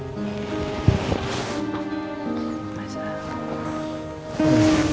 ada aja ada aja